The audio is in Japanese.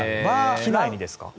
機内にですか？